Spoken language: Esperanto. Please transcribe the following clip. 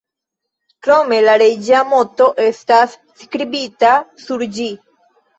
Krome la reĝa moto estas skribita sur ĝi.